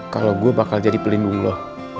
kalau gue bakal jadi pelindung lo